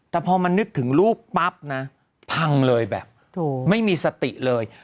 แต่พอมันนึกถึงรูปปั๊บนะพังเลยแบบไม่มีสติเลย